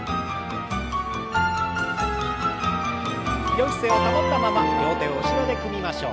よい姿勢を保ったまま両手を後ろで組みましょう。